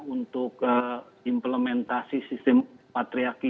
untuk implementasi sistem patriarki